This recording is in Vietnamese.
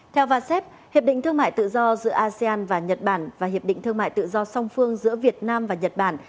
theo vasep hiệp định thương mại tự do giữa asean và nhật bản và hiệp định thương mại tự do song phương giữa việt nam và nhật bản